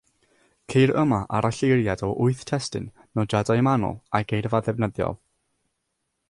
Ceir yma aralleiriad o wyth testun, nodiadau manwl a geirfa ddefnyddiol.